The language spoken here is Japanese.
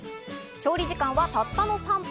調理時間はたったの３分。